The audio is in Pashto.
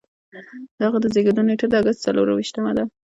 د هغه د زیږیدو نیټه د اګست څلور ویشتمه ده.